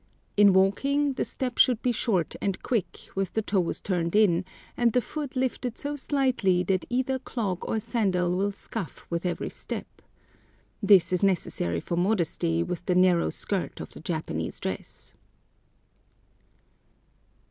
In walking, the step should be short and quick, with the toes turned in, and the foot lifted so slightly that either clog or sandal will scuff with every step. This is necessary for modesty, with the narrow skirt of the Japanese dress.